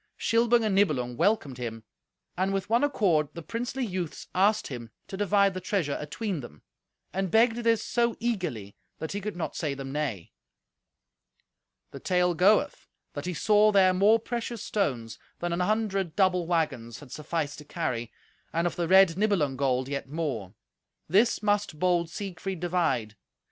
Shilbung and Nibelung welcomed him, and with one accord the princely youths asked him to divide the treasure atween them, and begged this so eagerly that he could not say them nay. The tale goeth that he saw there more precious stones than an hundred double waggons had sufficed to carry, and of the red Nibelung gold yet more. This must bold Siegfried divide.